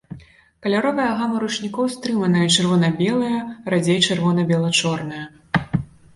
Каляровая гама ручнікоў стрыманая чырвона-белая, радзей чырвона-бела-чорная.